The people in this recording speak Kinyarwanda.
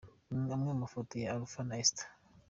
Amwe mu mafoto ya Alpha na Esther.